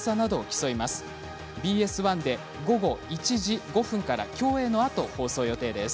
ＢＳ１で午後１時５分から競泳のあと放送予定です。